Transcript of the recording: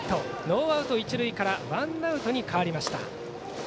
ノーアウト、一塁からワンアウトに変わりました。